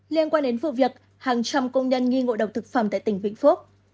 liên quan đến vụ việc hàng trăm công nhân nghi ngộ độc thực phẩm tại tỉnh vĩnh phúc